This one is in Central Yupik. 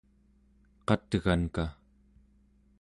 qat'ganka